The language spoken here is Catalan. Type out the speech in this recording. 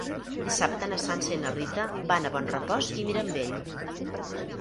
Dissabte na Sança i na Rita van a Bonrepòs i Mirambell.